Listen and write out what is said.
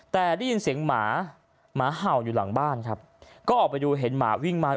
แต่ได้ยินเสียงหมาหมาเห่าอยู่หลังบ้านครับก็ออกไปดูเห็นหมาวิ่งมา